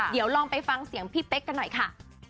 เดี๋ยวลองไปฟังเสียงพี่เป๊กกันหน่อยค่ะ